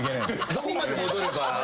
どこまで戻れば。